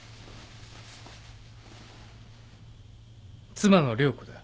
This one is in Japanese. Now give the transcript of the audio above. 妻の良子だ。